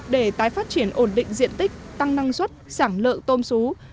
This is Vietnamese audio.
để tái phát triển ổn định diện tích tăng năng suất sản lợi tôm sú